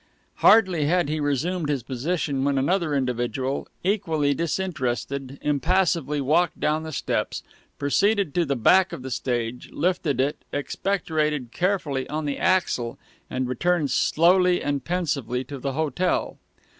Hardly had he resumed his position when another individual, equally disinterested, impassively walked down the steps, proceeded to the back of the stage, lifted it, expectorated carefully on the axle, and returned slowly and pensively to the hotel.